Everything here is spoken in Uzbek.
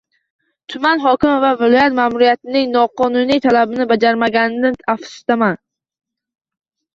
Tuman hokimi va viloyat ma'muriyatining noqonuniy talabini bajarmaganimdan afsusdaman